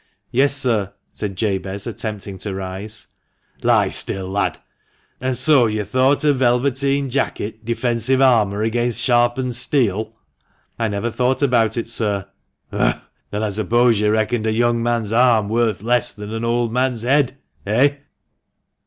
"Yes, sir," said Jabez, attempting to rise. " Lie still, lad ! And so you thought a velveteen jacket defensive armour against sharpened steel ?"" I never thought about it, sir." " Ugh ! Then I suppose you reckoned a young man's arm worth less than an old man's head ! Eh